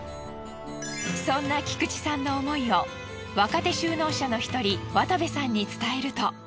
そんな菊池さんの思いを若手就農者の１人渡部さんに伝えると。